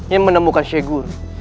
yang menemukan sheikh guru